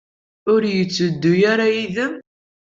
Ur yetteddu ara yid-m?